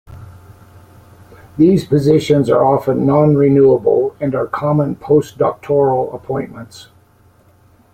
These positions are often non-renewable and are common post-doctoral appointments.